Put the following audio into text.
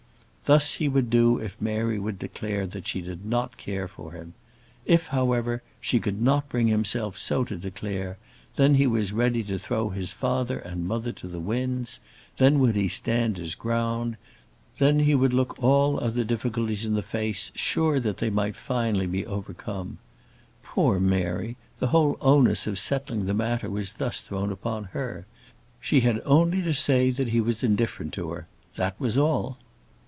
Thus would he do if Mary would declare that she did not care for him. If, however, she could not bring herself so to declare, then was he ready to throw his father and mother to the winds; then would he stand his ground; then would he look all other difficulties in the face, sure that they might finally be overcome. Poor Mary! the whole onus of settling the matter was thus thrown upon her. She had only to say that he was indifferent to her; that was all.